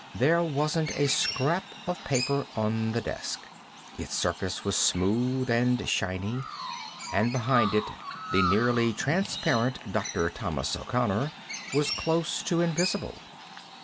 There wasn't a scrap of paper on the desk; its surface was smooth and shiny, and behind it the nearly transparent Dr. Thomas O'Connor was close to invisible.